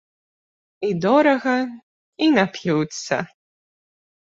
І дорага, і нап'юцца.